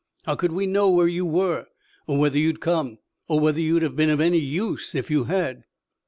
"How could we know where you were, or whether you'd come or whether you'd have been of any use if you had?"